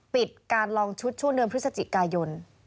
ปิดการลองชุดช่วงเดือนพฤศจิกายน